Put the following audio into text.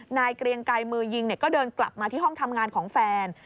เกรียงไกรมือยิงก็เดินกลับมาที่ห้องทำงานของแฟน